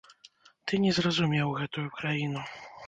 Ты не зразумеў гэтую краіну.